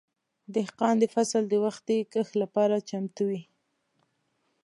دهقان د فصل د وختي کښت لپاره چمتو وي.